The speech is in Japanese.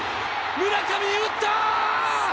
村上打った！